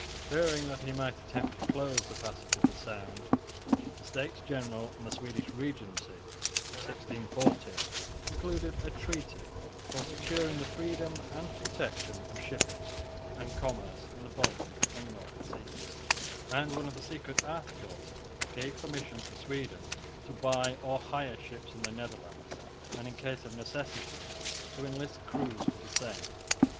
Fearing that he might attempt to close the passage of the Sound, the States General and the Swedish Regency in 1640 concluded a treaty "for securing the freedom and protection of shipping and commerce in the Baltic and North Seas"; and one of the secret articles gave permission to Sweden to buy or hire ships in the Netherlands and in case of necessity to enlist crews for the same.